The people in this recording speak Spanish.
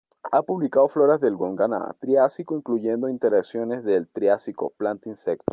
Ha publicado floras del Gondwana Triásico incluyendo interacciones del Triásico planta-insecto.